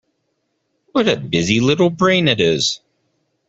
What a busy little brain it is.